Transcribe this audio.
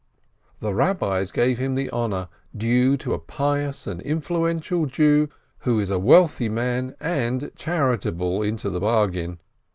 The Eabbis gave him the honor due to a pious and influential Jew, who is a wealthy man and char itable into the bargain.